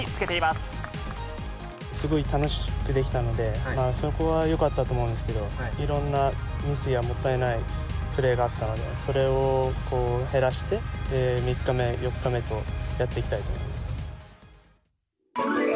すごい楽しくできたので、そこはよかったと思うんですけど、いろんなミスや、もったいないプレーがあったので、それを減らして、３日目、４日目と、やっていきたいと思います。